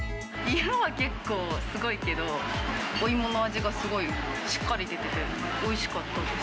色は結構すごいけど、お芋の味がすごいしっかり出てて、おいしかったです。